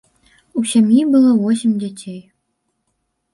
У сям'і было восем дзяцей.